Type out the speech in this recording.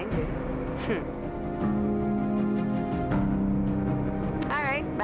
tinggal tunggu tanggal mainnya aja